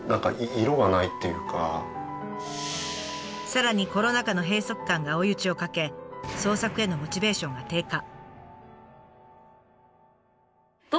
さらにコロナ禍の閉塞感が追い打ちをかけ創作へのモチベーションが低下。